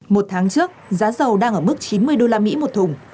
một tháng trước giá dầu đang ở mức chín mươi đô la mỹ một thùng